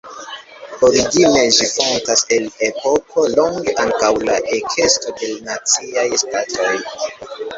Origine ĝi fontas el epoko longe ankaŭ la ekesto de naciaj ŝtatoj.